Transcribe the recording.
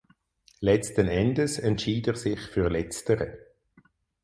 Letzten Endes entschied er sich für letztere.